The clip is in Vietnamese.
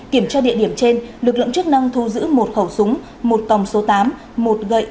kiểm tra địa điểm trên lực lượng chức năng thu giữ một khẩu súng một tòng số tám một gậy